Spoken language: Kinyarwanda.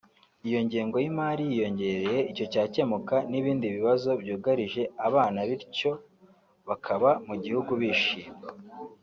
Iyo ngengo y’imari yiyongereye icyo cyakemuka n’ibindi bibazo byugarije abana bityo bakaba mu gihugu bishimye”